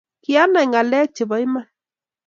kianai ngalek chebo iman